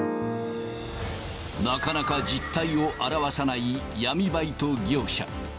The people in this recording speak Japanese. なかなか実態を現さない闇バイト業者。